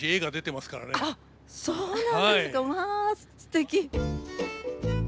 まあすてき！